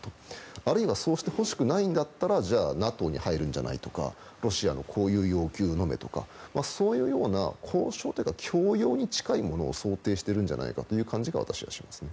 あるいはそうしてほしくないならじゃあ、ＮＡＴＯに入るんじゃないとかロシアのこういう要求をのめとかそういうような交渉というか強要に近いものを想定しているんじゃないかという感じが私はしますね。